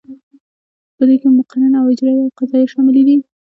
په دې کې مقننه او اجراییه او قضاییه شاملې دي.